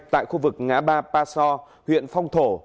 tại khu vực ngã ba paso huyện phong thổ